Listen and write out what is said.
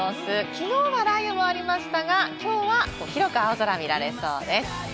きのうは雷雨もありましたが、きょうは広く青空が見られそうです。